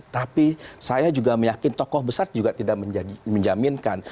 tapi saya juga meyakin tokoh besar juga tidak menjaminkan